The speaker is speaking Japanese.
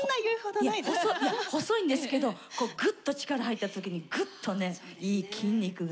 いや細いんですけどグッと力入った時にグッとねいい筋肉が。